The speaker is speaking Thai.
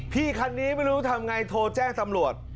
คันนี้ไม่รู้ทำไงโทรแจ้งตำรวจ